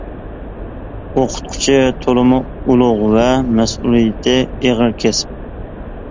ئوقۇتقۇچى تولىمۇ ئۇلۇغ ۋە مەسئۇلىيىتى ئېغىز كەسىپ.